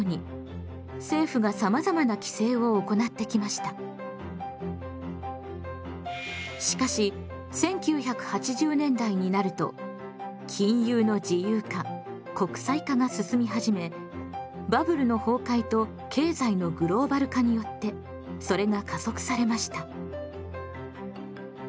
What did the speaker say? しかししかし１９８０年代になると金融の自由化・国際化が進み始めバブルの崩壊と経済のグローバル化によってそれが加速されました。